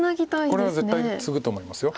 これは絶対ツグと思います。